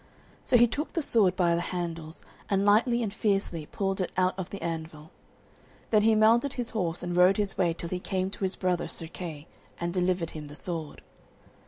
So he took the sword by the handles, and lightly and fiercely pulled it out of the anvil; then he mounted his horse and rode his way till he came to his brother Sir Kay, and delivered him the sword.